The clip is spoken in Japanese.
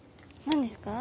何ですか？